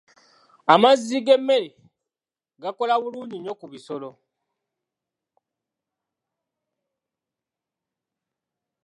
Amazzi g'emmere gakola bulungi nnyo ku bisolo.